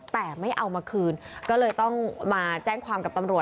แต่ไม่เอามาคืนก็เลยต้องมาแจ้งความกับตำรวจ